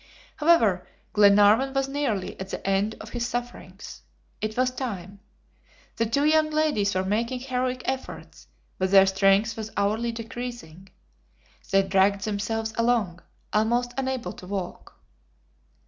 However, Glenarvan was nearly at the end of his sufferings. It was time. The two young ladies were making heroic efforts, but their strength was hourly decreasing. They dragged themselves along, almost unable to walk.